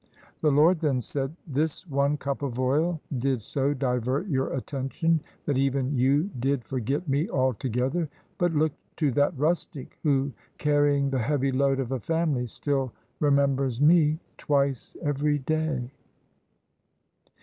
The Lord then said, "This one cup of oil did so divert your attention that even you did forget me altogether, but look to that rustic who, carrying the heavy load of a family, still remembers me twice every day."